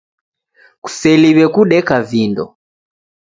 Kuseliw'e kudeka vindo.